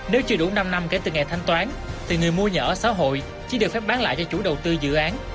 nếu chưa đủ năm năm kể từ ngày thanh toán thì người mua nhà ở xã hội chỉ được phép bán lại cho chủ đầu tư dự án